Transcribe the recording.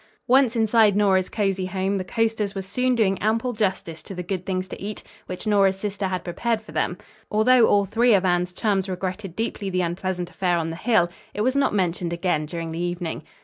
Once inside Nora's cozy home, the coasters were soon doing ample justice to the good things to eat, which Nora's sister had prepared for them. Although all three of Anne's chums regretted deeply the unpleasant affair on the hill it was not mentioned again during the evening.